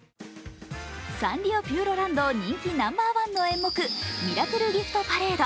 サンリオピューロランド人気ナンバーワンの演目、「ミラクル・ギフト・パレード」